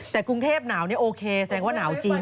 แต่กรุงเทพหนาวนี่โอเคแสดงว่าหนาวจริง